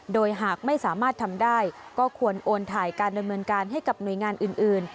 โดยหากไม่สามารถทำได้ก็ควรโอนถ่ายการดำเนินการให้กับหน่วยงานอื่น